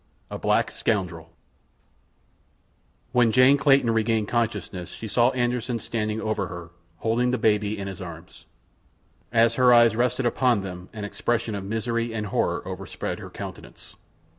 A Black Scoundrel When Jane Clayton regained consciousness she saw Anderssen standing over her, holding the baby in his arms. As her eyes rested upon them an expression of misery and horror overspread her countenance.